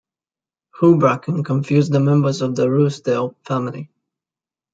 Houbraken confused the members of the Ruysdael family.